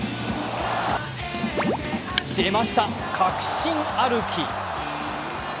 出ました、確信歩き。